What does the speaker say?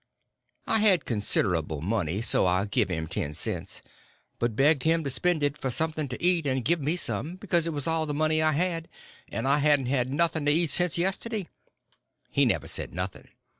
I had considerable money, so I give him ten cents, but begged him to spend it for something to eat, and give me some, because it was all the money I had, and I hadn't had nothing to eat since yesterday. He never said nothing.